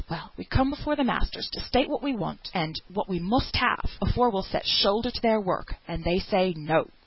Well, we come before th' masters to state what we want, and what we must have, afore we'll set shoulder to their work; and they say, 'No.'